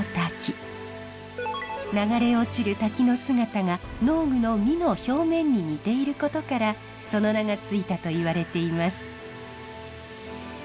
流れ落ちる滝の姿が農具の箕の表面に似ていることからその名が付いたといわれています。